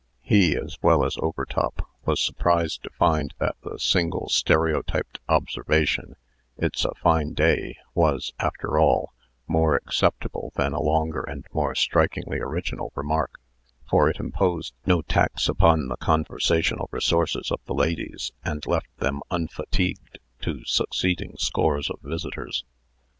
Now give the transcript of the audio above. He, as well as Overtop, was surprised to find that the single stereotyped observation, "It's a fine day," was, after all, more acceptable than a longer and more strikingly original remark for it imposed no tax upon the conversational resources of the ladies, and left them unfatigued to succeeding scores of visitors.